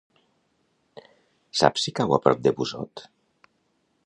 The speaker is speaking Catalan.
Saps si cau a prop de Busot?